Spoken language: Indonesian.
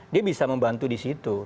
dia bisa membantu disitu